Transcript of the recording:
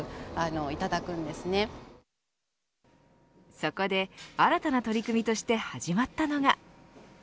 そこで新たな取り組みとして始まったのが。